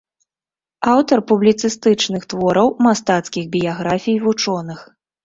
Аўтар публіцыстычных твораў, мастацкіх біяграфій вучоных.